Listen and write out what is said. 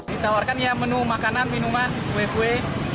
ditawarkan ya menu makanan minuman kue kue